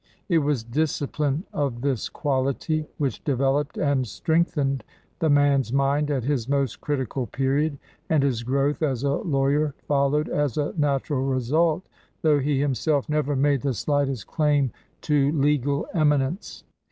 It was discipline of this quality which developed and strengthened the man's mind at his most critical period, and his growth as a law yer followed as a natural result, though he him self never made the slightest claim to legal emi nence.